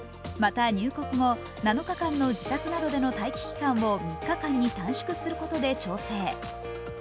また、入国後、７日間の自宅などでの待機期間を３日間に短縮することで調整。